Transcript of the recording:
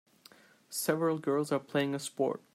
Several girls are playing a sport.